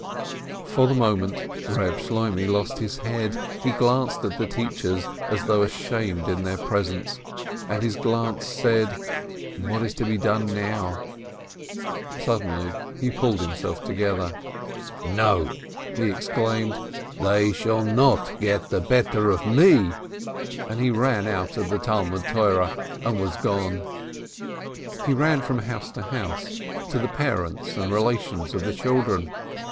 For the moment Keb Shloimeh lost his head. He glanced at the teachers as though ashamed in their presence, and his glance said, "What is to be done now?" REB SHLOIMEH 339 Suddenly he pulled himself together. "No!" he exclaimed, "they shall not get the better of me," and he ran out of the Talmud Torah, and was gone. He ran from house to house, to the parents and relations of the children.